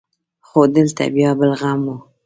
خو دلته بيا بل غم و.